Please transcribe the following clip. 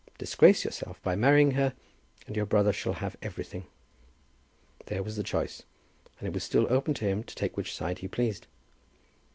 Disgrace yourself by marrying her, and your brother shall have everything. There was the choice, and it was still open to him to take which side he pleased.